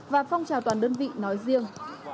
và phong trào toàn đơn vị nói riêng